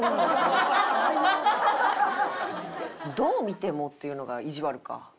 「どう見ても」っていうのがいじわるか。